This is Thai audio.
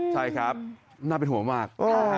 ใช่ครับน่าเป็นห่วงมาก